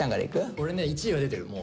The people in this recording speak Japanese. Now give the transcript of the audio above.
俺ね１位は出てるもう。